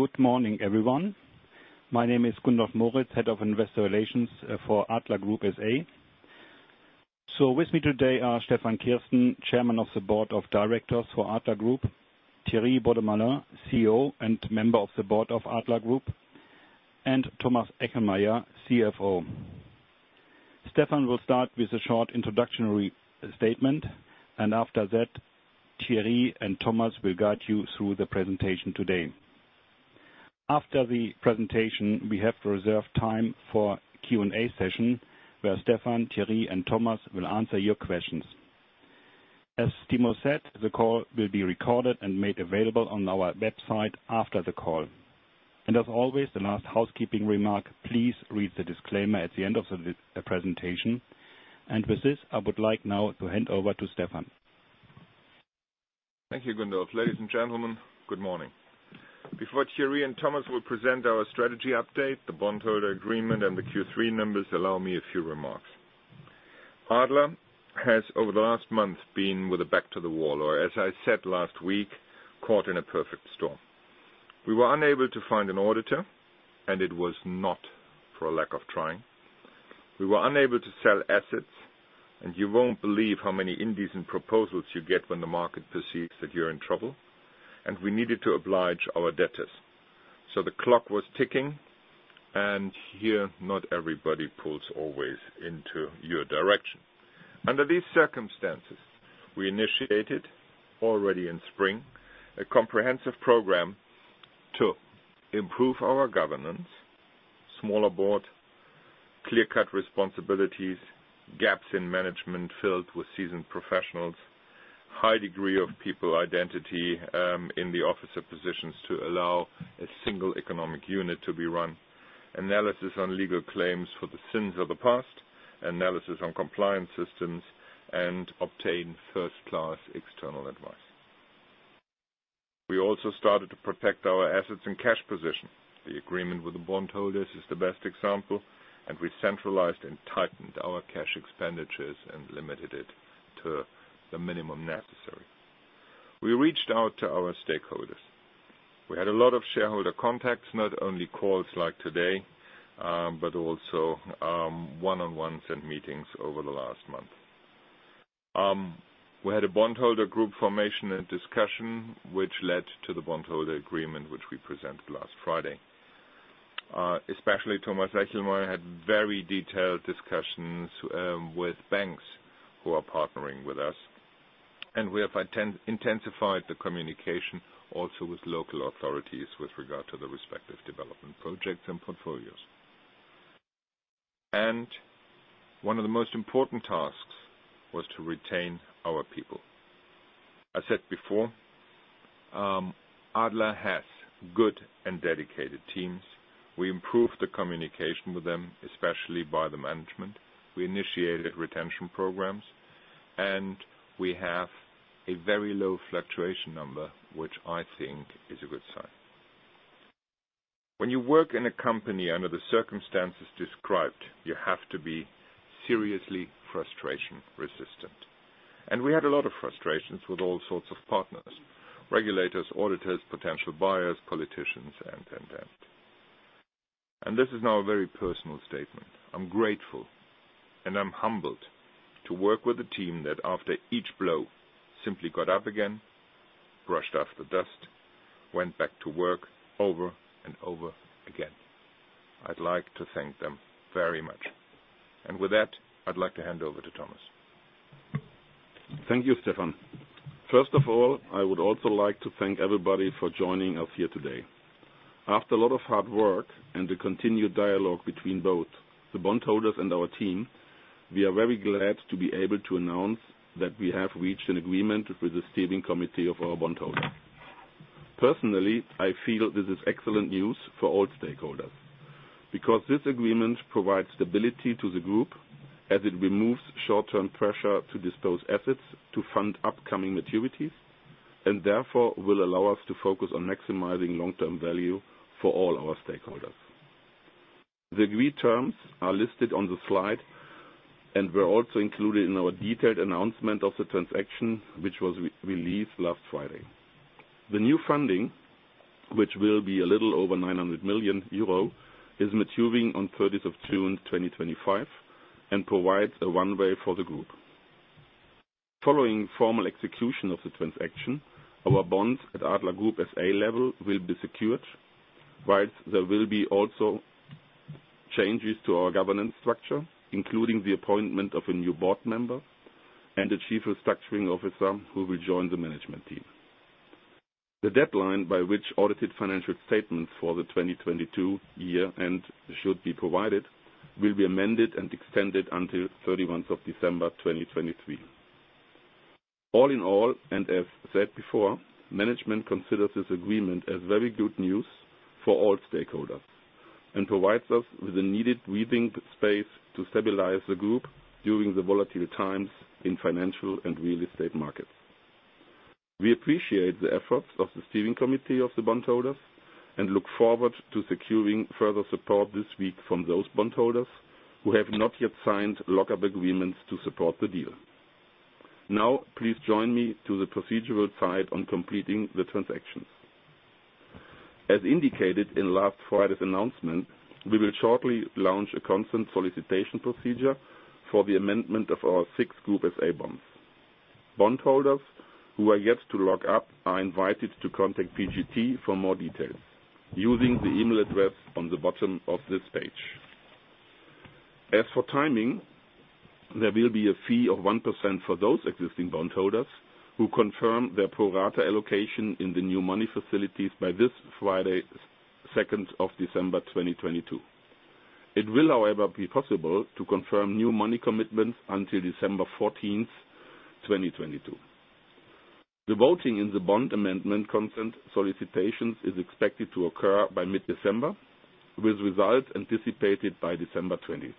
Good morning, everyone. My name is Gundolf Moritz, Head of Investor Relations, for Adler Group S.A. With me today are Stefan Kirsten, Chairman of the Board of Directors for Adler Group, Thierry Beaudemoulin, CEO and Member of the Board of Adler Group, and Thomas Echelmeyer, CFO. Stefan will start with a short introduction re-statement and after that, Thierry and Thomas will guide you through the presentation today. After the presentation, we have reserved time for Q&A session, where Stefan, Thierry and Thomas will answer your questions. As Timo said, the call will be recorded and made available on our website after the call. As always, the last housekeeping remark, please read the disclaimer at the end of the presentation. With this, I would like now to hand over to Stefan. Thank you, Gundolf. Ladies and gentlemen, good morning. Before Thierry and Thomas will present our strategy update, the bondholder agreement and the Q3 numbers, allow me a few remarks. Adler has over the last month been with the back to the wall, or as I said last week, caught in a perfect storm. We were unable to find an auditor. It was not for a lack of trying. We were unable to sell assets. You won't believe how many indecent proposals you get when the market perceives that you're in trouble. We needed to oblige our debtors. The clock was ticking, and here, not everybody pulls always into your direction. Under these circumstances, we initiated already in spring a comprehensive program to improve our governance: smaller board, clear-cut responsibilities, gaps in management filled with seasoned professionals, high degree of people identity in the officer positions to allow a single economic unit to be run, analysis on legal claims for the sins of the past, analysis on compliance systems and obtain first-class external advice. We also started to protect our assets and cash position. The agreement with the bondholders is the best example, and we centralized and tightened our cash expenditures and limited it to the minimum necessary. We reached out to our stakeholders. We had a lot of shareholder contacts, not only calls like today, but also one-on-ones and meetings over the last month. We had a bondholder group formation and discussion which led to the bondholder agreement, which we presented last Friday. Especially Thomas Echelmeyer had very detailed discussions with banks who are partnering with us. We have intensified the communication also with local authorities with regard to the respective development projects and portfolios. One of the most important tasks was to retain our people. I said before, Adler has good and dedicated teams. We improved the communication with them, especially by the management. We initiated retention programs, and we have a very low fluctuation number, which I think is a good sign. When you work in a company under the circumstances described, you have to be seriously frustration-resistant. We had a lot of frustrations with all sorts of partners: regulators, auditors, potential buyers, politicians and, and. This is now a very personal statement. I'm grateful, and I'm humbled to work with a team that after each blow simply got up again, brushed off the dust, went back to work over and over again. I'd like to thank them very much. With that, I'd like to hand over to Thomas. Thank you, Stefan. First of all, I would also like to thank everybody for joining us here today. After a lot of hard work and the continued dialogue between both the bondholders and our team, we are very glad to be able to announce that we have reached an agreement with the steering committee of our bondholders. Personally, I feel this is excellent news for all stakeholders because this agreement provides stability to the Group as it removes short-term pressure to dispose assets to fund upcoming maturities and therefore will allow us to focus on maximizing long-term value for all our stakeholders. The agreed terms are listed on the slide and were also included in our detailed announcement of the transaction, which was re-released last Friday. The new funding, which will be a little over 900 million euro, is maturing on June 30, 2025 and provides a runway for the group. Following formal execution of the transaction, our bonds at Adler Group S.A. level will be secured, whilst there will be also changes to our governance structure, including the appointment of a new board member and a chief restructuring officer who will join the management team. The deadline by which audited financial statements for the 2022 year end should be provided will be amended and extended until 31 of December 2023. All in all, and as said before, management considers this agreement as very good news for all stakeholders and provides us with the needed breathing space to stabilize the group during the volatile times in financial and real estate markets. We appreciate the efforts of the steering committee of the bondholders and look forward to securing further support this week from those bondholders who have not yet signed lock-up agreements to support the deal. Please join me to the procedural side on completing the transactions. As indicated in last Friday's announcement, we will shortly launch a consent solicitation procedure for the amendment of our six Group SA bonds. Bondholders who are yet to lock up are invited to contact PJT for more details using the email address on the bottom of this page. As for timing, there will be a fee of 1% for those existing bondholders who confirm their pro rata allocation in the new money facilities by this Friday, 2nd of December 2022. It will, however, be possible to confirm new money commitments until December 14th, 2022. The voting in the bond amendment consent solicitations is expected to occur by mid-December, with results anticipated by December 20th.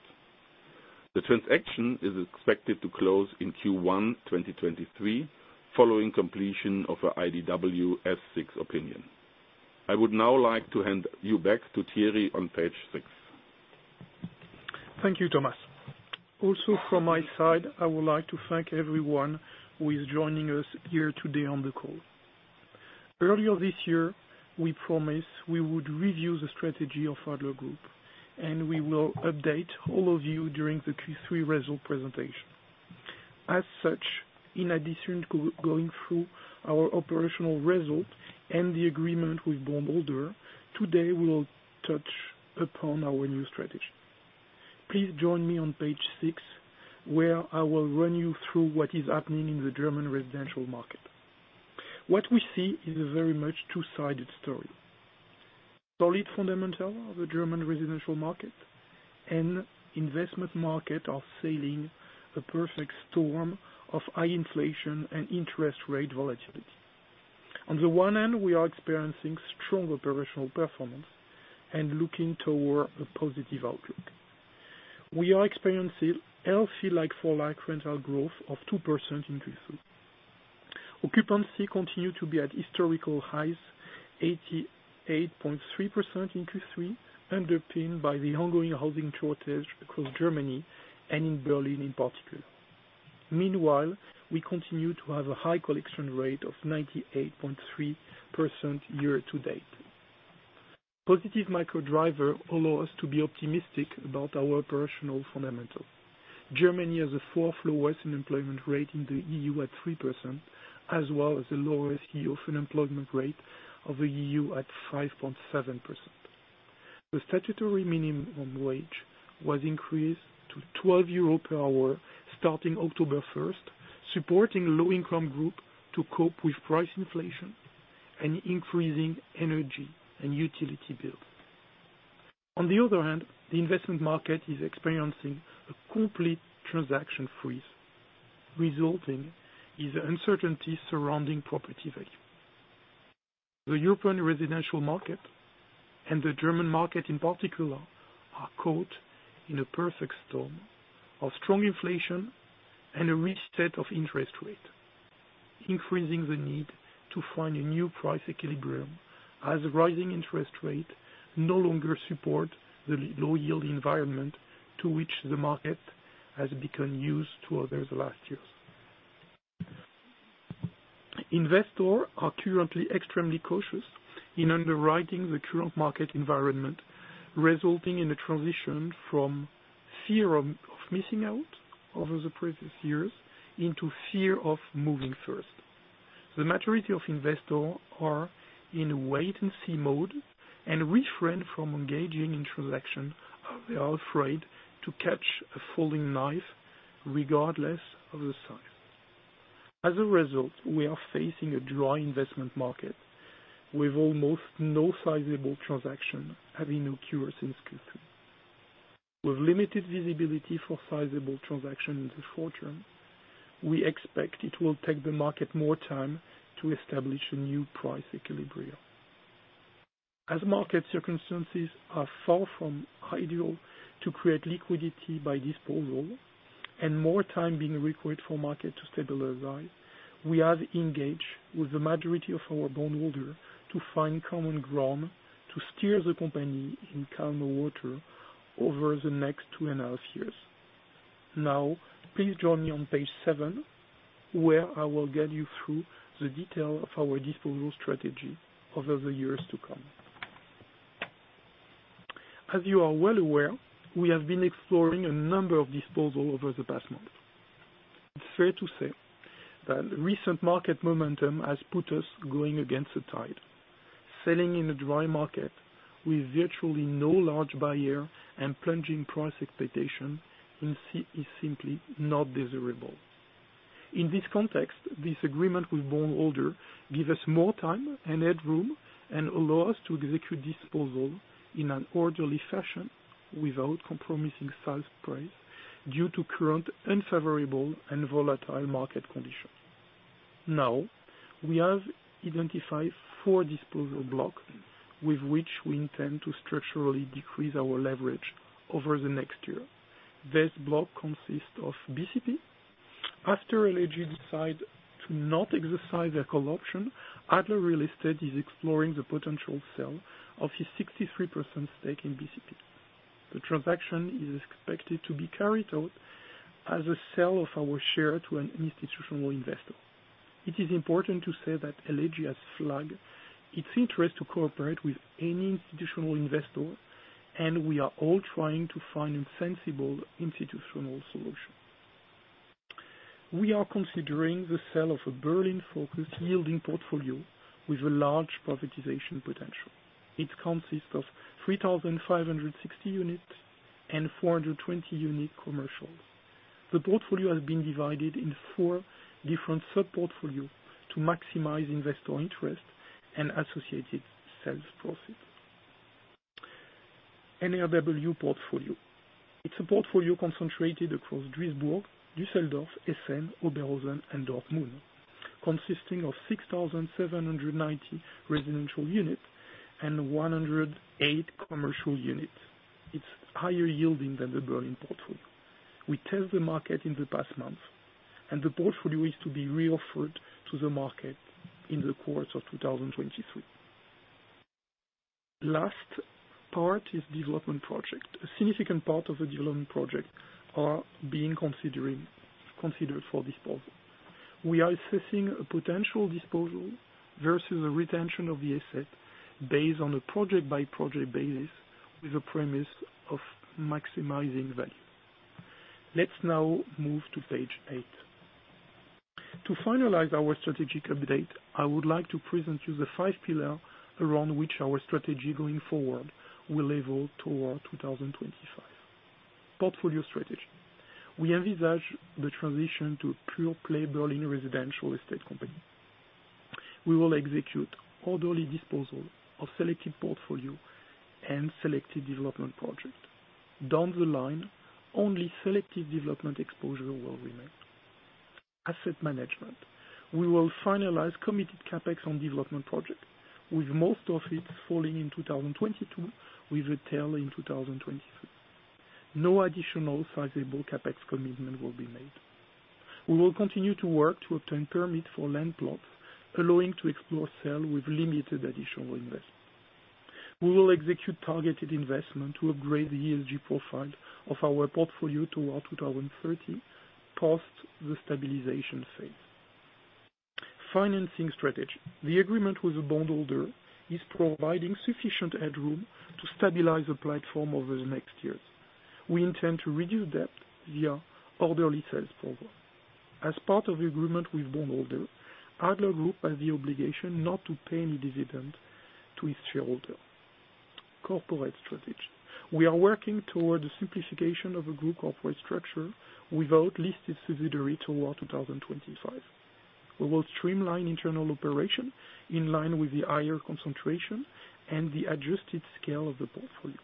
The transaction is expected to close in Q1 2023 following completion of our IDW S6 opinion. I would now like to hand you back to Thierry on page six. Thank you, Thomas. From my side, I would like to thank everyone who is joining us here today on the call. Earlier this year, we promised we would review the strategy of Adler Group, we will update all of you during the Q3 result presentation. As such, in addition going through our operational results and the agreement with bondholder, today we will touch upon our new strategy. Please join me on page six, where I will run you through what is happening in the German residential market. What we see is a very much two-sided story. Solid fundamental of the German residential market and investment market are sailing the perfect storm of high inflation and interest rate volatility. On the one hand, we are experiencing strong operational performance and looking toward a positive outlook. We are experiencing LFL like-for-like rental growth of 2% in Q3. Occupancy continued to be at historical highs, 88.3% in Q3, underpinned by the ongoing housing shortage across Germany and in Berlin in particular. Meanwhile, we continue to have a high collection rate of 98.3% year-to-date. Positive micro driver allow us to be optimistic about our operational fundamentals. Germany has the fourth lowest unemployment rate in the EU at 3%, as well as the lowest EU unemployment rate of the EU at 5.7%. The statutory minimum wage was increased to 12 euro per hour starting October 1st, supporting low-income group to cope with price inflation and increasing energy and utility bills. On the other hand, the investment market is experiencing a complete transaction freeze, resulting in the uncertainty surrounding property value. The European residential market, and the German market in particular, are caught in a perfect storm of strong inflation and a reset of interest rates, increasing the need to find a new price equilibrium as rising interest rates no longer support the low yield environment to which the market has become used to over the last years. Investors are currently extremely cautious in underwriting the current market environment, resulting in a transition from fear of missing out over the previous years into fear of moving first. The majority of investors are in wait and see mode and refrain from engaging in transaction, as they are afraid to catch a falling knife regardless of the size. As a result, we are facing a dry investment market with almost no sizable transaction having occurred since Q2. With limited visibility for sizable transaction in the forum, we expect it will take the market more time to establish a new price equilibrium. Market circumstances are far from ideal to create liquidity by disposal and more time being required for market to stabilize, we have engaged with the majority of our bondholder to find common ground to steer the company in calmer water over the next 2.5 years. Please join me on page seven, where I will guide you through the detail of our disposal strategy over the years to come. You are well aware, we have been exploring a number of disposal over the past month. It's fair to say that recent market momentum has put us going against the tide. Selling in a dry market with virtually no large buyer and plunging price expectation is simply not desirable. In this context, this agreement with bondholders gives us more time and headroom and allow us to execute disposal in an orderly fashion without compromising sales price due to current unfavorable and volatile market conditions. We have identified four disposal blocks with which we intend to structurally decrease our leverage over the next year. This block consists of BCP. After LEG decides to not exercise their call option, Adler Real Estate is exploring the potential sale of a 63% stake in BCP. The transaction is expected to be carried out as a sale of our share to an institutional investor. It is important to say that LEG has flagged its interest to cooperate with any institutional investor, and we are all trying to find a sensible institutional solution. We are considering the sale of a Berlin-focused yielding portfolio with a large privatization potential. It consists of 3,560 units and 420 unit commercials. The portfolio has been divided in four different sub-portfolios to maximize investor interest and associated sales process. NRW portfolio. It's a portfolio concentrated across Duisburg, Düsseldorf, Essen, Oberhausen, and Dortmund, consisting of 6,790 residential units and 108 commercial units. It's higher yielding than the Berlin portfolio. We test the market in the past month, the portfolio is to be re-offered to the market in the course of 2023. Last part is development project. A significant part of the development project are being considering, considered for disposal. We are assessing a potential disposal versus a retention of the asset based on a project-by-project basis with a premise of maximizing value. Let's now move to page eight. To finalize our strategic update, I would like to present you the five pillar around which our strategy going forward will evolve toward 2025. Portfolio strategy. We envisage the transition to a pure-play Berlin residential estate company. We will execute orderly disposal of selected portfolio and selected development project. Down the line, only selected development exposure will remain. Asset management. We will finalize committed CapEx on development project, with most of it falling in 2022, with retail in 2023. No additional sizable CapEx commitment will be made. We will continue to work to obtain permit for land plots, allowing to explore sale with limited additional investment. We will execute targeted investment to upgrade the ESG profile of our portfolio toward 2030, post the stabilization phase. Financing strategy. The agreement with the bondholder is providing sufficient headroom to stabilize the platform over the next years. We intend to reduce debt via orderly sales program. As part of the agreement with bondholder, Adler Group has the obligation not to pay any dividend to its shareholder. Corporate strategy. We are working toward the simplification of the group corporate structure without listed subsidiary toward 2025. We will streamline internal operation in line with the higher concentration and the adjusted scale of the portfolio.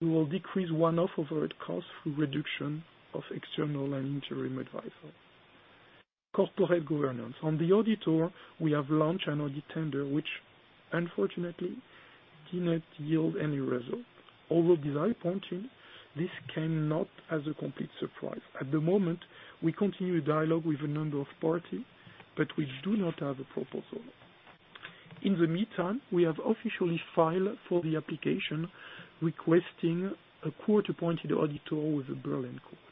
We will decrease one-off overhead costs through reduction of external and interim advisor. Corporate governance. On the auditor, we have launched an audit tender, which unfortunately did not yield any result. Although disappointing, this came not as a complete surprise. At the moment, we continue dialogue with a number of parties, but we do not have a proposal. In the meantime, we have officially filed for the application, requesting a court-appointed auditor with the Berlin court.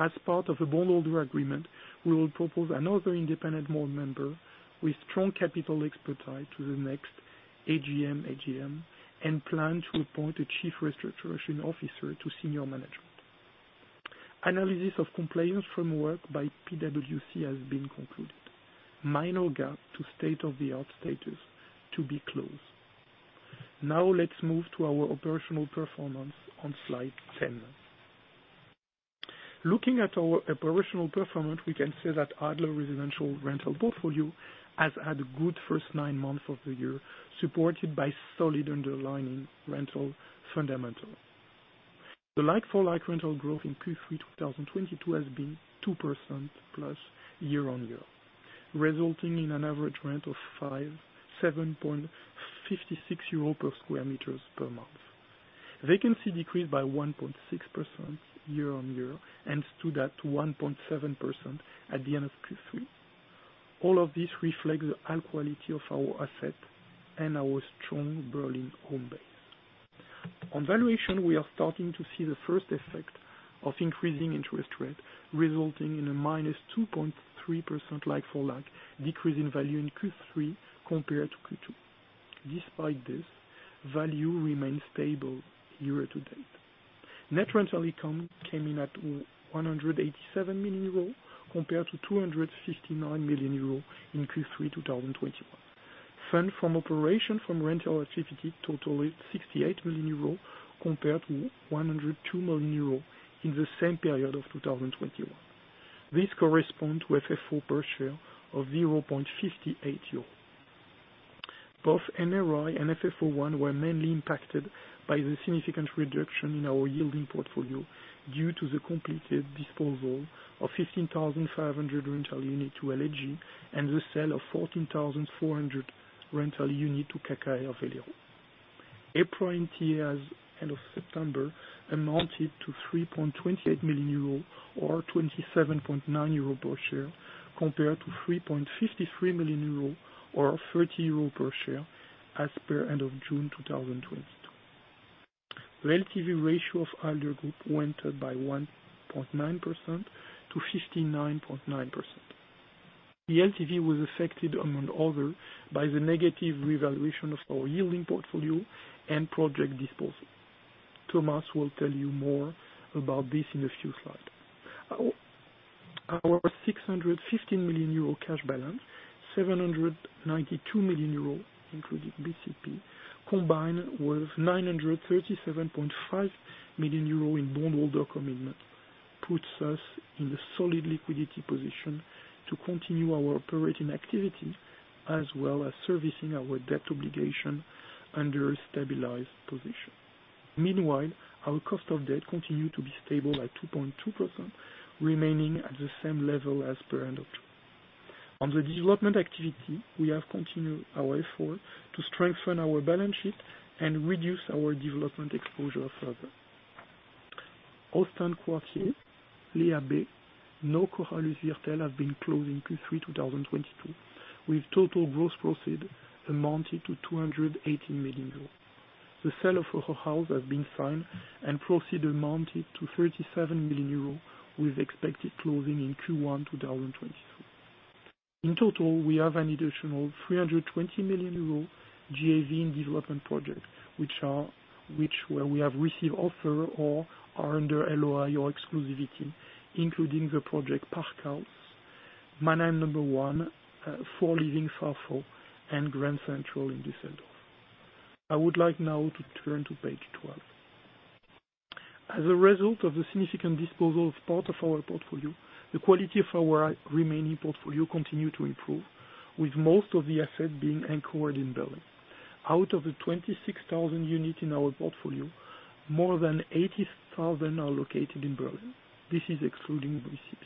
As part of the bondholder agreement, we will propose another independent board member with strong capital expertise to the next EGM/AGM and plan to appoint a chief restructuring officer to senior management. Analysis of compliance framework by PwC has been concluded. Minor gap to state-of-the-art status to be closed. Let's move to our operational performance on slide 10. Looking at our operational performance, we can say that Adler residential rental portfolio has had a good first nine months of the year, supported by solid underlying rental fundamentals. The like-for-like rental growth in Q3 2022 has been 2%+ year-over-year, resulting in an average rent of 5.76 euros per sq m per month. Vacancy decreased by 1.6% year-on-year and stood at 1.7% at the end of Q3. All of this reflects the high quality of our asset and our strong Berlin home base. On valuation, we are starting to see the first effect of increasing interest rate, resulting in a -2.3% like-for-like decrease in value in Q3 compared to Q2. Despite this, value remains stable year-to-date. Net rental income came in at 187 million euro, compared to 269 million euro in Q3 2021. Fund from operation from rental activity totaled 68 million euros compared to 102 million euros in the same period of 2021. This correspond to FFO per share of 0.58 euro. Both NRI and FFO one were mainly impacted by the significant reduction in our yielding portfolio due to the completed disposal of 15,500 rental units to LEG and the sale of 14,400 rental units to KKR and Velero. EPRA NTAs end of September amounted to 3.28 million euro or 27.9 euro per share, compared to 3.53 million euro or 30 euro per share as per end of June 2022. The LTV ratio of Adler Group went up by 1.9% to 59.9%. The LTV was affected, among other, by the negative revaluation of our yielding portfolio and project disposal. Thomas will tell you more about this in a few slides. Our 650 million euro cash balance, 792 million euro, including BCP, combined with 937.5 million euro in bondholder commitment, puts us in a solid liquidity position to continue our operating activity as well as servicing our debt obligation under a stabilized position. Meanwhile, our cost of debt continued to be stable at 2.2%, remaining at the same level as per end of 2022. On the development activity, we have continued our effort to strengthen our balance sheet and reduce our development exposure further. Ostend Quartier, LEA B, Neues Korallusviertel have been closed in Q3 2022, with total gross proceed amounted to 218 million euros. The sale of Eurohaus has been signed and proceed amounted to 37 million euros, with expected closing in Q1 2023. In total, we have an additional 320 million euro GAV in development projects, which where we have received offer or are under LOI or exclusivity, including the project Parkhaus, Mannheim No. 1, Four Living Saarlouis, and Grand Central in Düsseldorf. I would like now to turn to page 12. A result of the significant disposal of part of our portfolio, the quality of our remaining portfolio continued to improve, with most of the assets being anchored in Berlin. Out of the 26,000 units in our portfolio, more than 80,000 are located in Berlin. This is excluding BCP.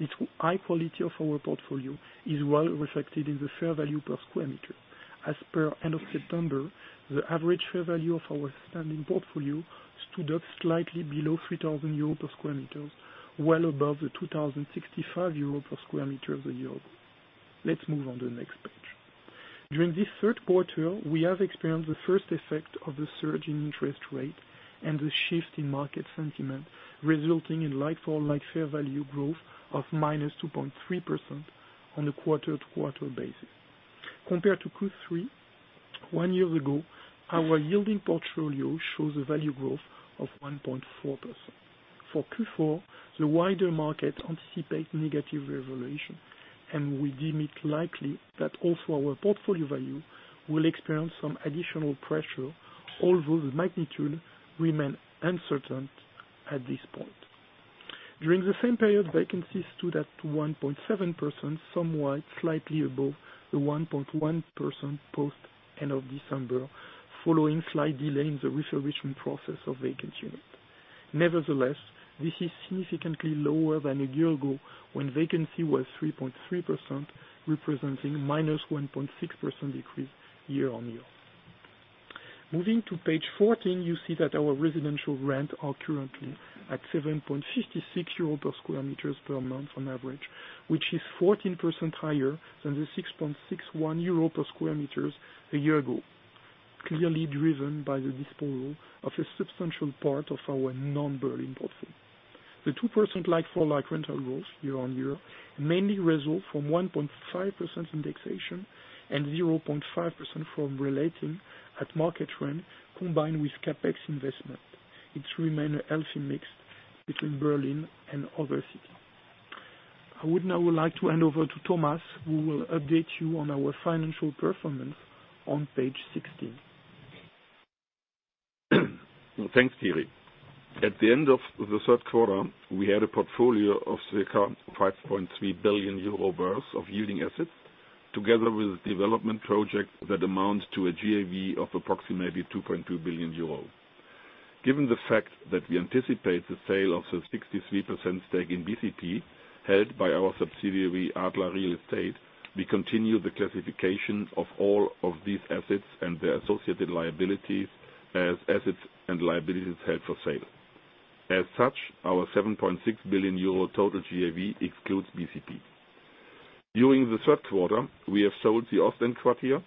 The high quality of our portfolio is well reflected in the fair value per square meter. As per end of September, the average fair value of our standing portfolio stood up slightly below 3,000 euros per sq m, well above the 2,065 euros per sq m the year ago. Let's move on to the next page. During this third quarter, we have experienced the first effect of the surge in interest rate and the shift in market sentiment, resulting in like-for-like fair value growth of -2.3% on a quarter-to-quarter basis. Compared to Q3 one year ago, our yielding portfolio shows a value growth of 1.4%. For Q4, the wider market anticipate negative revaluation, and we deem it likely that also our portfolio value will experience some additional pressure, although the magnitude remain uncertain at this point. During the same period, vacancies stood at 1.7%, somewhat slightly above the 1.1% post-end of December, following slight delay in the refurbishment process of vacant unit. This is significantly lower than a year ago, when vacancy was 3.3%, representing -1.6% decrease year-on-year. Moving to page 14, you see that our residential rent are currently at 7.56 euros per square meters per month on average, which is 14% higher than the 6.61 euro per sq m a year ago. Clearly driven by the disposal of a substantial part of our non-Berlin portfolio. The 2% like-for-like rental growth year-on-year mainly result from 1.5% indexation and 0.5% from relating at market trend combined with CapEx investment. It remain a healthy mix between Berlin and other city. I would now like to hand over to Thomas, who will update you on our financial performance on page 16. Thanks, Thierry. At the end of the third quarter, we had a portfolio of circa 5.3 billion euro worth of yielding assets, together with development projects that amounts to a GAV of approximately 2.2 billion euro. Given the fact that we anticipate the sale of the 63% stake in BCP, held by our subsidiary, Adler Real Estate, we continue the classification of all of these assets and their associated liabilities as assets and liabilities held for sale. As such, our 7.6 billion euro total GAV excludes BCP. During the third quarter, we have sold the Ostend Quartier,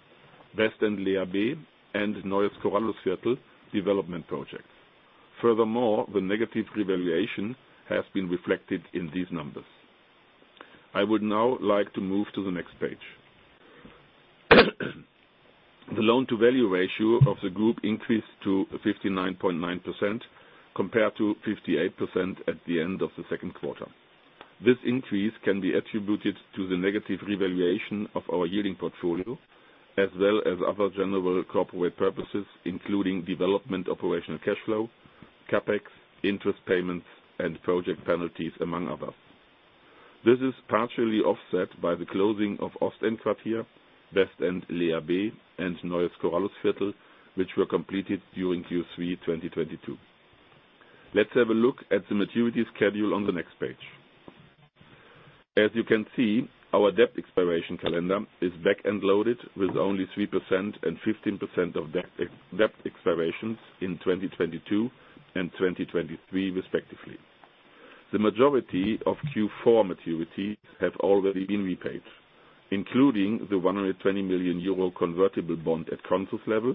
Westend Lea B, and Neues Korallusviertel development projects. Furthermore, the negative revaluation has been reflected in these numbers. I would now like to move to the next page. The loan-to-value ratio of the group increased to 59.9% compared to 58% at the end of the second quarter. This increase can be attributed to the negative revaluation of our yielding portfolio, as well as other general corporate purposes, including development, operational cash flow, CapEx, interest payments, and project penalties, among others. This is partially offset by the closing of Ostend Quartier, Westend Lea B, and Neues Korallusviertel, which were completed during Q3 2022. Let's have a look at the maturity schedule on the next page. As you can see, our debt expiration calendar is back-end loaded with only 3% and 15% of debt expirations in 2022 and 2023 respectively. The majority of Q4 maturities have already been repaid, including the 120 million euro convertible bond at Consus level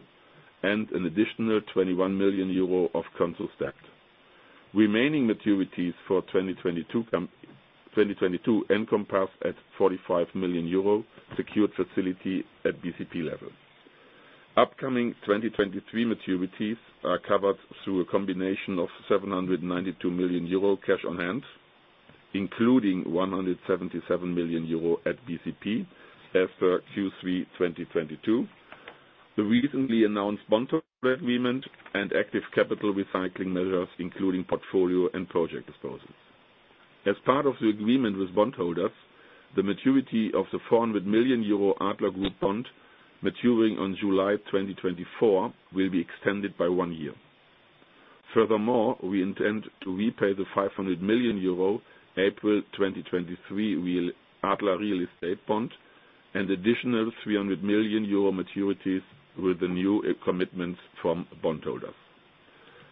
and an additional 21 million euro of Consus debt. Remaining maturities for 2022 and compass at 45 million euro secured facility at BCP level. Upcoming 2023 maturities are covered through a combination of 792 million euro cash on hand, including 177 million euro at BCP as per Q3 2022. The recently announced bondholder agreement and active capital recycling measures, including portfolio and project disposals. As part of the agreement with bondholders, the maturity of the 400 million euro Adler Group bond maturing on July 2024 will be extended by one year. Furthermore, we intend to repay the 500 million euro April 2023 Adler Real Estate Bond and additional 300 million euro maturities with the new commitments from bondholders.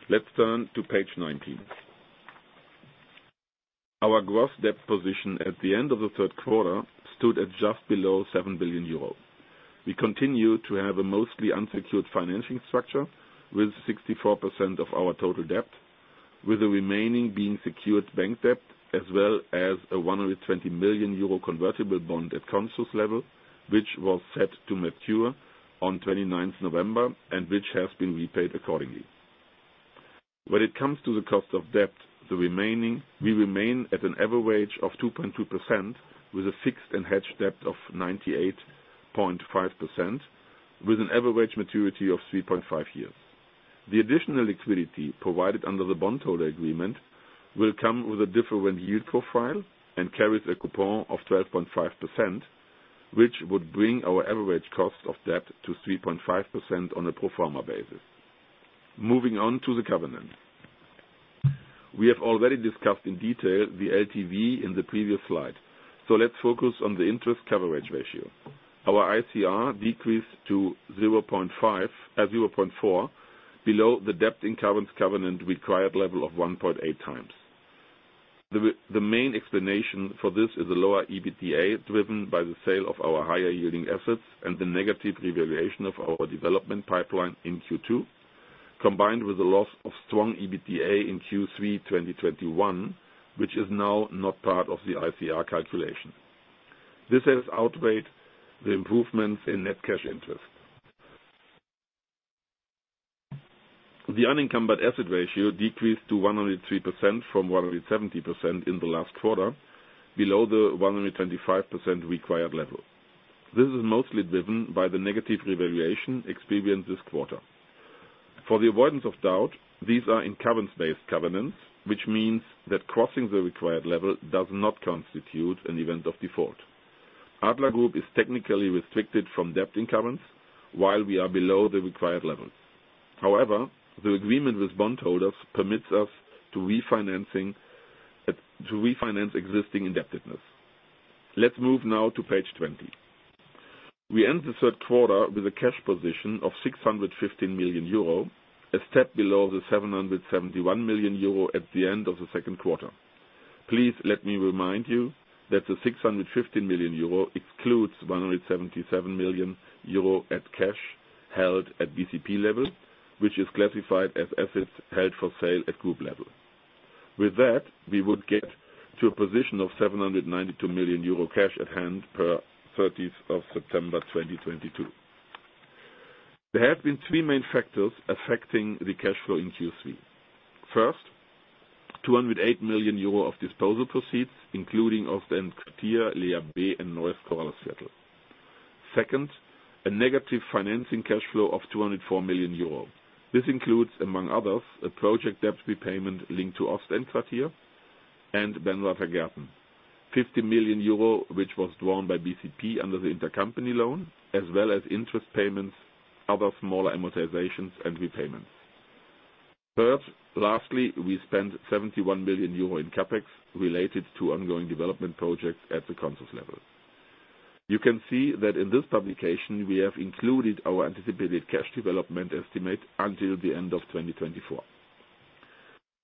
Let's turn to page 19. Our gross debt position at the end of the third quarter stood at just below 7 billion euro. We continue to have a mostly unsecured financing structure with 64% of our total debt, with the remaining being secured bank debt, as well as a 120 million euro convertible bond at Consus level, which was set to mature on 29th November and which has been repaid accordingly. When it comes to the cost of debt, we remain at an average of 2.2% with a fixed and hedged debt of 98.5% with an average maturity of 3.5 years. The additional liquidity provided under the bondholder agreement will come with a different yield profile and carries a coupon of 12.5%, which would bring our average cost of debt to 3.5% on a pro forma basis. Moving on to the covenants. We have already discussed in detail the LTV in the previous slide, so let's focus on the interest coverage ratio. Our ICR decreased to 0.4 below the debt in covenant required level of 1.8x. The main explanation for this is a lower EBITDA driven by the sale of our higher yielding assets and the negative revaluation of our development pipeline in Q2, combined with the loss of strong EBITDA in Q3 2021, which is now not part of the ICR calculation. This has outweighed the improvements in net cash interest. The unencumbered asset ratio decreased to 103% from 170% in the last quarter below the 125% required level. This is mostly driven by the negative revaluation experienced this quarter. For the avoidance of doubt, these are in covenants-based covenants, which means that crossing the required level does not constitute an event of default. Adler Group is technically restricted from debt incumbents while we are below the required levels. However, the agreement with bondholders permits us to refinance existing indebtedness. Let's move now to page 20. We end the third quarter with a cash position of 615 million euro, a step below the 771 million euro at the end of the second quarter. Please let me remind you that the 615 million euro excludes 177 million euro at cash held at BCP level, which is classified as assets held for sale at group level. With that, we would get to a position of 792 million euro cash at hand per 13th of September 2022. There have been three main factors affecting the cash flow in Q3. First, 208 million euro of disposal proceeds, including Ostend Quartier, Lea B and Neues Korallusviertel. A negative financing cash flow of 204 million euro. This includes, among others, a project debt repayment linked to Ostend Quartier and Benrather Gärten. 50 million euro, which was drawn by BCP under the intercompany loan, as well as interest payments, other smaller amortizations and repayments. Lastly, we spent 71 million euro in CapEx related to ongoing development projects at the Consus level. You can see that in this publication we have included our anticipated cash development estimate until the end of 2024.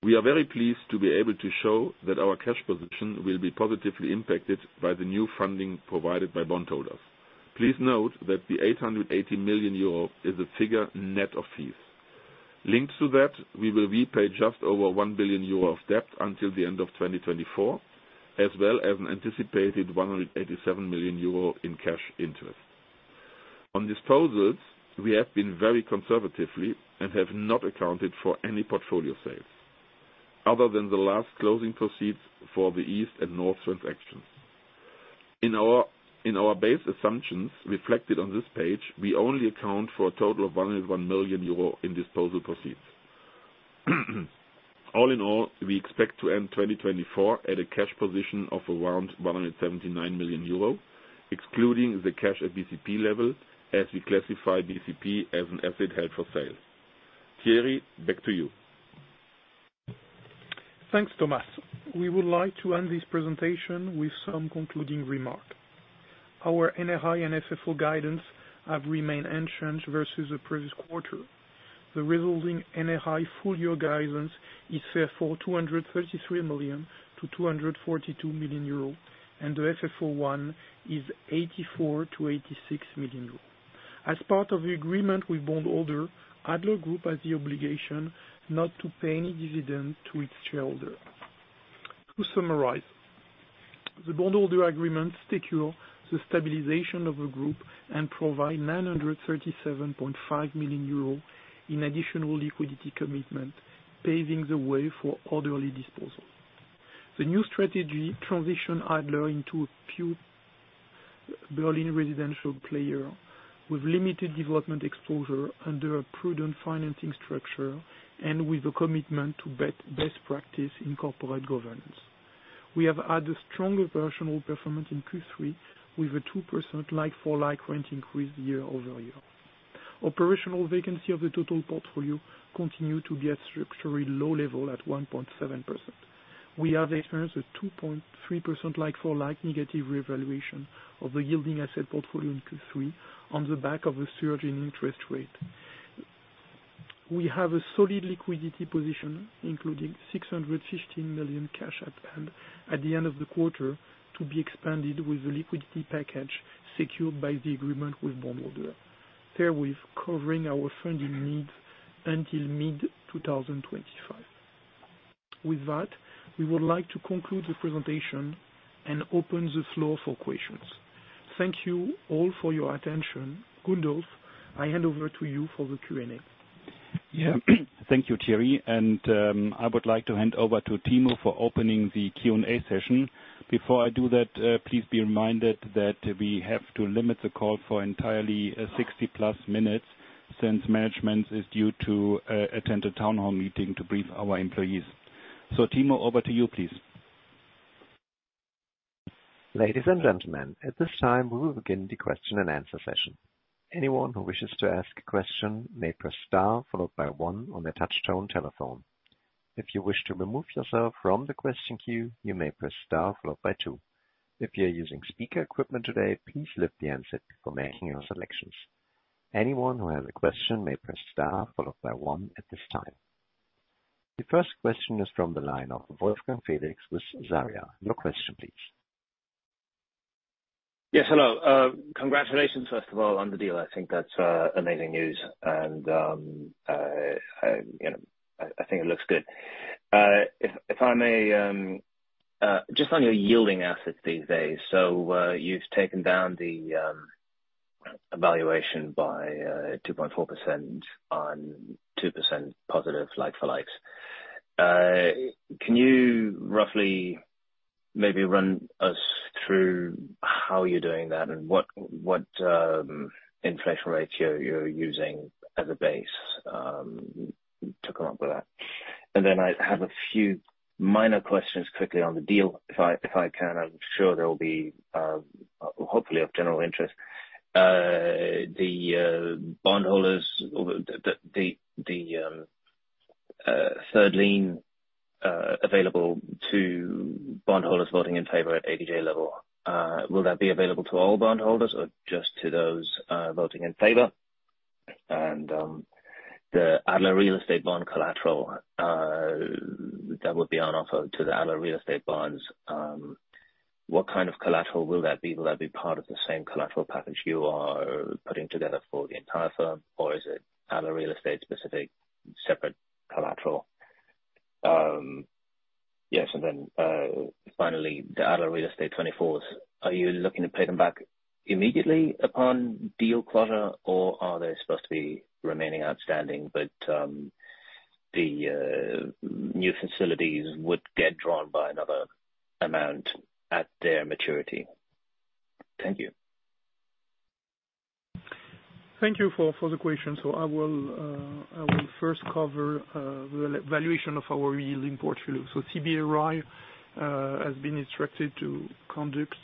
We are very pleased to be able to show that our cash position will be positively impacted by the new funding provided by bondholders. Please note that the 880 million euro is a figure net of fees. Linked to that, we will repay just over 1 billion euro of debt until the end of 2024, as well as an anticipated 187 million euro in cash interest. On disposals, we have been very conservatively and have not accounted for any portfolio sales other than the last closing proceeds for the East and North transactions. In our base assumptions reflected on this page, we only account for a total of 101 million euro in disposal proceeds. All in all, we expect to end 2024 at a cash position of around 179 million euro, excluding the cash at BCP level as we classify BCP as an asset held for sale. Thierry, back to you. Thanks, Thomas. We would like to end this presentation with some concluding remarks. Our NRI and FFO guidance have remained unchanged versus the previous quarter. The resulting NRI full year guidance is set for 233 million-242 million euro, and the FFO 1 is 84 million-86 million euro. As part of the agreement with bondholder, Adler Group has the obligation not to pay any dividend to its shareholder. To summarize, the bondholder agreement secure the stabilization of the group and provide 937.5 million euro in additional liquidity commitment, paving the way for orderly disposal. The new strategy transition Adler into a few Berlin residential player with limited development exposure under a prudent financing structure and with a commitment to bet best practice in corporate governance. We have had a stronger personal performance in Q3 with a 2% like-for-like rent increase year-over-year. Operational vacancy of the total portfolio continue to be at structurally low level at 1.7%. We have experienced a 2.3% like-for-like negative revaluation of the yielding asset portfolio in Q3 on the back of a surge in interest rate. We have a solid liquidity position, including 615 million cash at hand at the end of the quarter to be expanded with the liquidity package secured by the agreement with bondholder. Therewith covering our funding needs until mid-2025. With that, we would like to conclude the presentation and open the floor for questions. Thank you all for your attention. Gundolf, I hand over to you for the Q&A. Yeah. Thank you, Thierry. I would like to hand over to Timo for opening the Q&A session. Before I do that, please be reminded that we have to limit the call for entirely 60+ minutes since management is due to attend a town hall meeting to brief our employees. Timo, over to you, please. Ladies and gentlemen, at this time, we will begin the question and answer session. Anyone who wishes to ask a question may press star followed by one on their touchtone telephone. If you wish to remove yourself from the question queue, you may press star followed by two. If you're using speaker equipment today, please lift the handset before making your selections. Anyone who has a question may press star followed by one at this time. The first question is from the line of Wolfgang Felix with Sarria. Your question please. Yes, hello. Congratulations, first of all, on the deal. I think that's amazing news. you know, I think it looks good. If I may, just on your yielding assets these days. you've taken down the evaluation by 2.4% on 2% positive like for likes. Can you roughly maybe run us through how you're doing that and what inflation ratio you're using as a base to come up with that? Then I have a few minor questions quickly on the deal, if I can. I'm sure there will be hopefully of general interest. The bondholders or the third lien available to bondholders voting in favor at ADG level. Will that be available to all bondholders or just to those voting in favor? The Adler Real Estate bond collateral that would be on offer to the Adler Real Estate bonds, what kind of collateral will that be? Will that be part of the same collateral package you are putting together for the entire firm, or is it Adler Real Estate specific separate collateral? Yes. Finally, the Adler Real Estate 24s, are you looking to pay them back immediately upon deal closure, or are they supposed to be remaining outstanding? The new facilities would get drawn by another amount at their maturity. Thank you. Thank you for the question. I will first cover the valuation of our yielding portfolio. CBRE has been instructed to conduct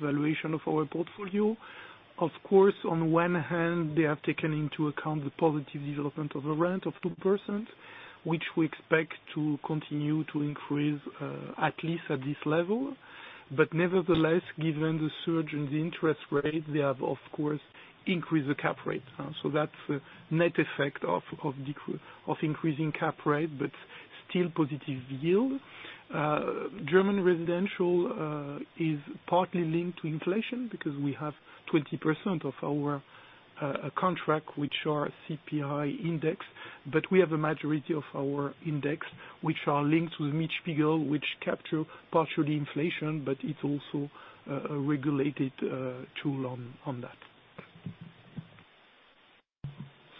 valuation of our portfolio. Of course, on one hand, they have taken into account the positive development of the rent of 2%, which we expect to continue to increase at least at this level. Nevertheless, given the surge in the interest rate, they have of course increased the cap rate. That's a net effect of increasing cap rate, but still positive yield. German residential is partly linked to inflation because we have 20% of our contract which are CPI indexed. We have a majority of our index which are linked with Mietspiegel, which capture partially inflation, but it's also regulated too on that.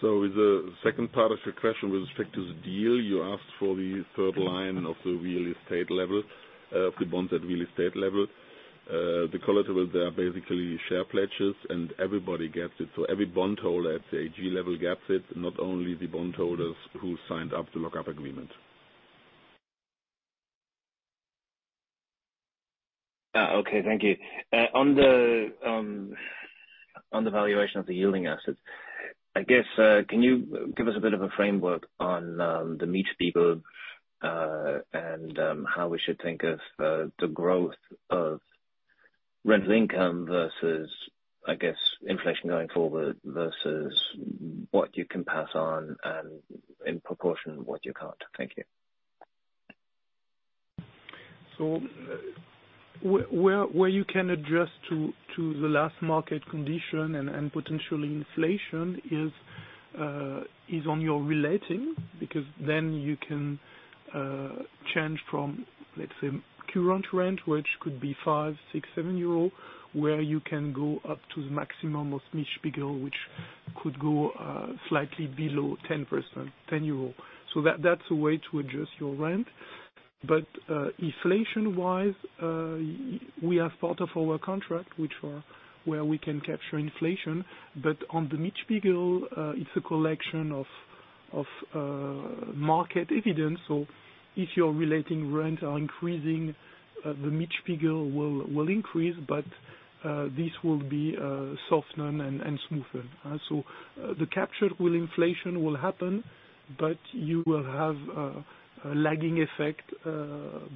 The second part of your question with respect to the deal, you asked for the third line of the real estate level, the bonds at real estate level. The collateral there are basically share pledges, and everybody gets it. Every bondholder at AG level gets it, not only the bondholders who signed up the lock-up agreement. Okay. Thank you. on the. On the valuation of the yielding assets, I guess, can you give us a bit of a framework on the Mietspiegel, and how we should think of the growth of rental income versus, I guess, inflation going forward versus what you can pass on and in proportion, what you can't? Thank you. Where you can adjust to the last market condition and potential inflation is on your relating, because then you can change from, let's say, current rent, which could be 5, 6, 7 euro, where you can go up to the maximum of Mietspiegel, which could go slightly below 10%, 10 euro. That's a way to adjust your rent. Inflation-wise, we are part of our contract, which are where we can capture inflation. On the Mietspiegel, it's a collection of market evidence. If your relating rent are increasing, the Mietspiegel will increase. This will be softened and smoothed. The capture with inflation will happen, but you will have a lagging effect,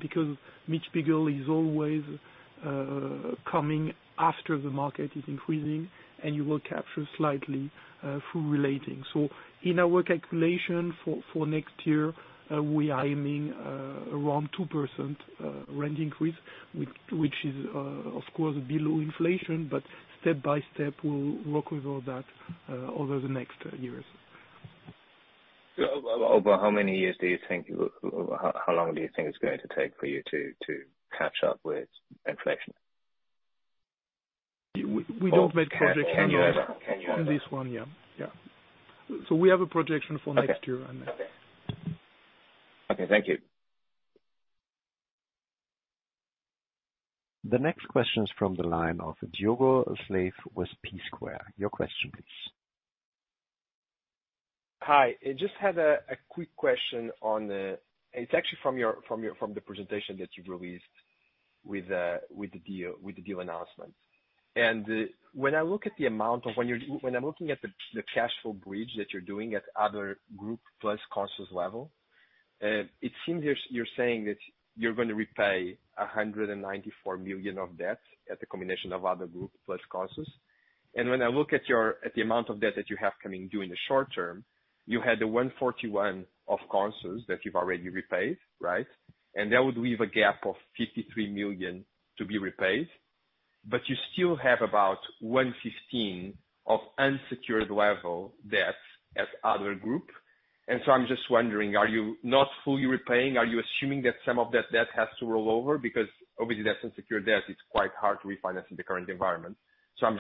because Mietspiegel is always coming after the market is increasing, and you will capture slightly through relating. In our calculation for next year, we are aiming around 2% rent increase, which is of course below inflation. Step by step, we'll work with all that over the next years. Over how many years do you think, how long do you think it's going to take for you to catch up with inflation? We don't make projections. Can you ever? on this one. Yeah, yeah. We have a projection for next year. Okay. Okay. Okay. Thank you. The next question is from the line of Diogo Silva with PSquared. Your question please. Hi. I just had a quick question on. It's actually from your from the presentation that you've released with with the deal, with the deal announcement. When I'm looking at the cash flow bridge that you're doing at Adler Group plus Consus level, it seems you're saying that you're gonna repay 194 million of debt at the combination of Adler Group plus Consus. When I look at the amount of debt that you have coming due in the short term, you had the 141 of Consus that you've already repaid, right? That would leave a gap of 53 million to be repaid. You still have about 115 of unsecured level debt as Adler Group. I'm just wondering, are you not fully repaying? Are you assuming that some of that debt has to roll over? Obviously that's unsecured debt, it's quite hard to refinance in the current environment. I'm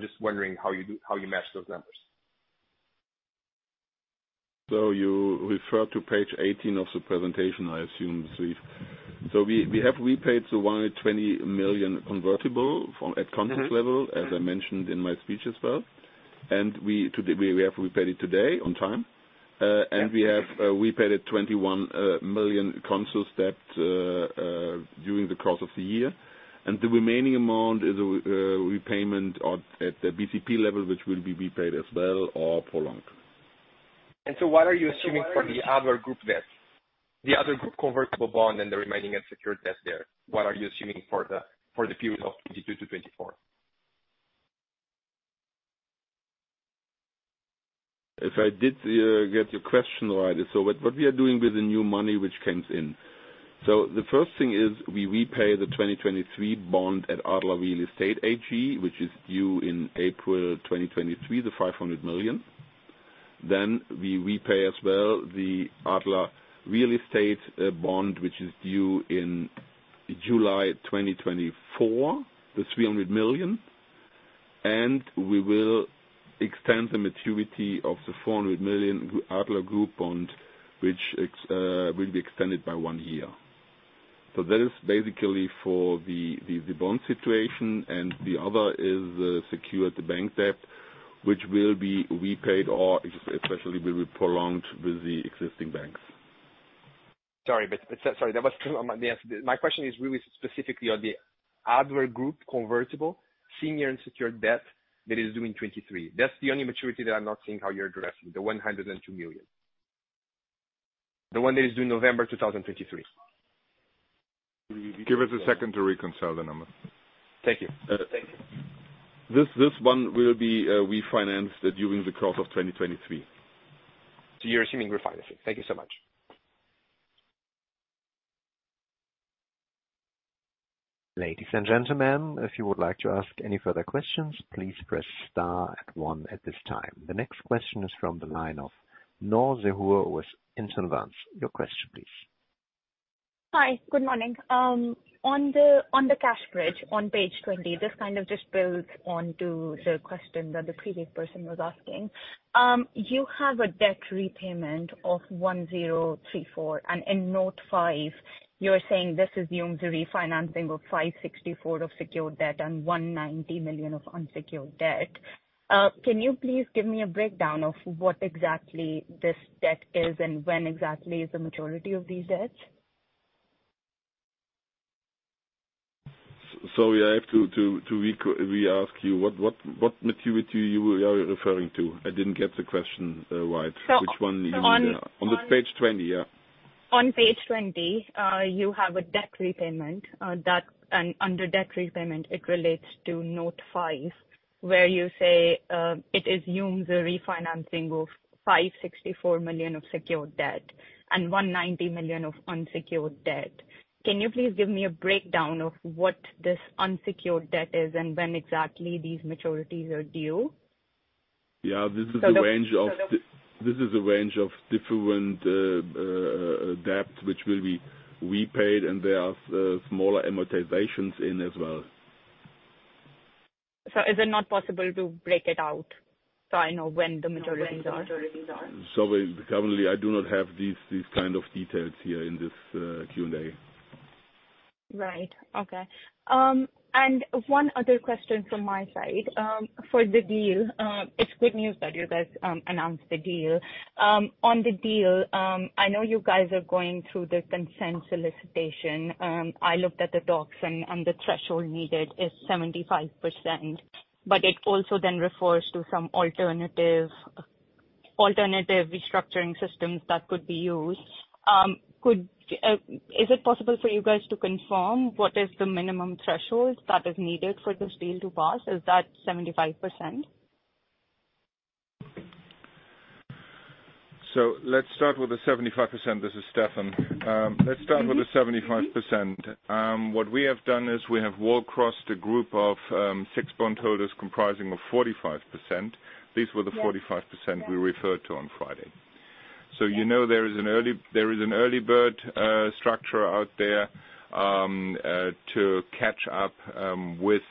just wondering how you match those numbers. You refer to page 18 of the presentation, I assume, Steve. We have repaid the 120 million convertible from at Consus level, as I mentioned in my speech as well. We have repaid it today on time. We have repaid it 21 million Consus debt during the course of the year. The remaining amount is repayment of, at the BCP level, which will be repaid as well or prolonged. What are you assuming for the Adler Group debt? The Adler Group convertible bond and the remaining unsecured debt there. What are you assuming for the period of 2022-2024? If I did get your question right. What we are doing with the new money which comes in. The first thing is we repay the 2023 bond at Adler Real Estate AG, which is due in April 2023, the 500 million. We repay as well the Adler Real Estate bond, which is due in July 2024, the 300 million. We will extend the maturity of the 400 million Adler Group bond, which will be extended by one year. That is basically for the bond situation. The other is the secured bank debt, which will be repaid or especially will be prolonged with the existing banks. Sorry, but sorry, that was not my question. My question is really specifically on the Adler Group convertible senior unsecured debt that is due in 2023. That's the only maturity that I'm not seeing how you're addressing, the 102 million. The one that is due November 2023. Give us a second to reconcile the numbers. Thank you. Thank you. This one will be refinanced during the course of 2023. You're assuming refinancing. Thank you so much. Ladies and gentlemen, if you would like to ask any further questions, please press star at one at this time. The next question is from the line of Nancy Huart with Insolvents. Your question please. Hi. Good morning. On the, on the cash bridge on page 20, this kind of just builds on to the question that the previous person was asking. You have a debt repayment of 1034. In note five, you're saying this assumes a refinancing of 564 of secured debt and 190 million of unsecured debt. Can you please give me a breakdown of what exactly this debt is and when exactly is the maturity of these debts? Sorry, I have to re-ask you. What maturity you are referring to? I didn't get the question right. So- On the page 20, yeah. On page 20, you have a debt repayment, and under debt repayment, it relates to note five, where you say, it assumes a refinancing of 564 million of secured debt and 190 million of unsecured debt. Can you please give me a breakdown of what this unsecured debt is and when exactly these maturities are due? Yeah. So the- This is a range of different debt which will be repaid, and there are smaller amortizations in as well. Is it not possible to break it out so I know when the maturities are? Sorry, I do not have these kind of details here in this Q&A. Right. Okay. One other question from my side, for the deal. It's good news that you guys announced the deal. On the deal, I know you guys are going through the consent solicitation. I looked at the docs and, the threshold needed is 75%, but it also then refers to some alternative restructuring systems that could be used. Is it possible for you guys to confirm what is the minimum threshold that is needed for this deal to pass? Is that 75%? Let's start with the 75%. This is Stefan. Mm-hmm. with the 75%. What we have done is we have wall-crossed a group of, six bondholders comprising of 45%. Yeah. 45% we referred to on Friday. You know there is an early, there is an early bird structure out there to catch up with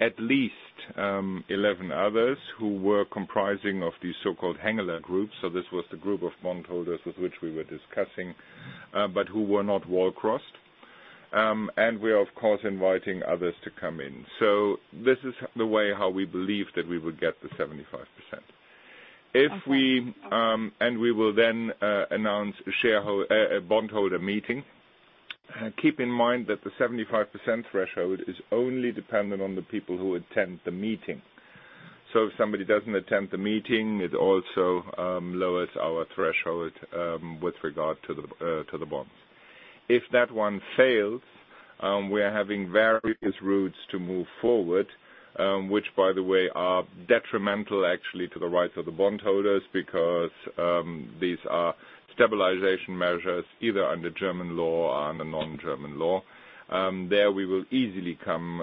at least 11 others who were comprising of the so-called Hengeler group. This was the group of bondholders with which we were discussing, but who were not wall-crossed. We are, of course, inviting others to come in. This is the way how we believe that we would get the 75%. Okay. If we will then announce a bondholder meeting. Keep in mind that the 75% threshold is only dependent on the people who attend the meeting. If somebody doesn't attend the meeting, it also lowers our threshold with regard to the bonds. If that one fails, we are having various routes to move forward, which by the way, are detrimental actually to the rights of the bondholders because these are stabilization measures either under German law and a non-German law. There we will easily come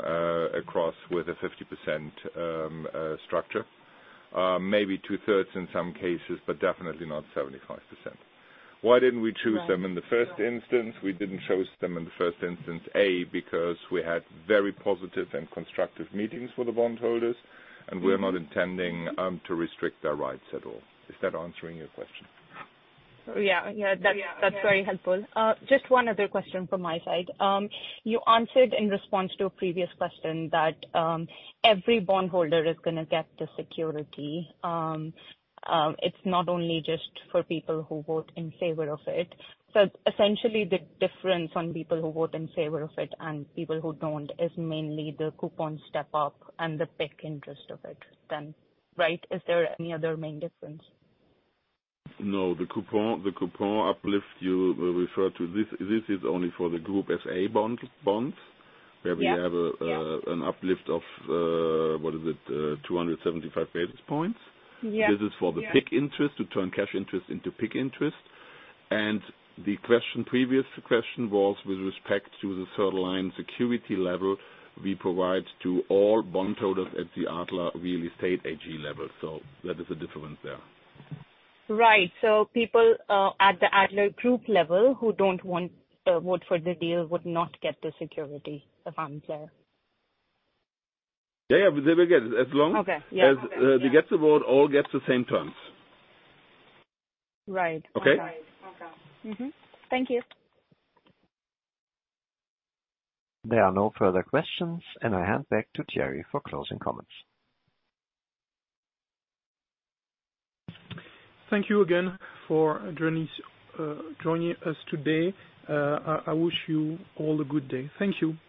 across with a 50% structure. Maybe two-thirds in some cases, definitely not 75%. Why didn't we choose- Right. -them in the first instance. We didn't choose them in the first instance, A, because we had very positive and constructive meetings with the bondholders. We're not intending to restrict their rights at all. Is that answering your question? Yeah. That's very helpful. Just one other question from my side. You answered in response to a previous question that every bondholder is gonna get the security. It's not only just for people who vote in favor of it. Essentially the difference on people who vote in favor of it and people who don't is mainly the coupon step up and the PIK interest of it then, right? Is there any other main difference? No. The coupon, the coupon uplift you referred to, this is only for the Group SA bonds. Yeah. Where we have. Yeah. -an uplift of, what is it? 275 basis points. Yeah. This is for the PIK interest, to turn cash interest into PIK interest. Previous question was with respect to the third line security level we provide to all bondholders at the Adler Real Estate AG level. That is the difference there. Right. people at the Adler Group level who don't want vote for the deal would not get the security. Yeah. Yeah. They will get it, as long- Okay. Yeah. as, they get to vote, all get the same terms. Right. Okay? Okay. Mm-hmm. Thank you. There are no further questions, and I hand back to Thierry for closing comments. Thank you again for joining us today. I wish you all a good day. Thank you.